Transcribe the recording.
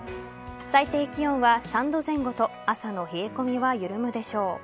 最低気温は３度前後と朝の冷え込みは緩むでしょう。